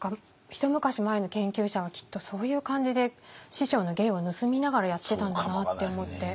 一昔前の研究者はきっとそういう感じで師匠の芸を盗みながらやってたんだなって思って。